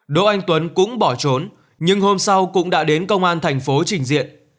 đỗ anh tuấn cũng bỏ trốn nhưng hôm sau cũng đã đến công an thành phố trình diện